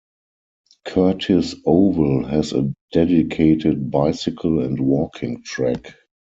Curtis Oval has a dedicated bicycle and walking track.